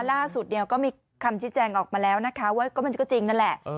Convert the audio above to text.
ล่าสุดเนี่ยก็มีคำชี้แจงออกมาแล้วนะคะว่าก็มันก็จริงนั่นแหละ